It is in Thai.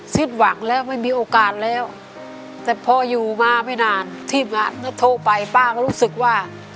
หวังแล้วไม่มีโอกาสแล้วแต่พออยู่มาไม่นานทีมงานก็โทรไปป้าก็รู้สึกว่า